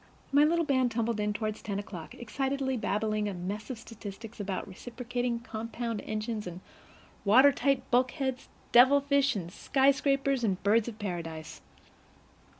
My little band tumbled in toward ten o'clock, excitedly babbling a mess of statistics about reciprocating compound engines and watertight bulkheads, devil fish and sky scrapers and birds of paradise.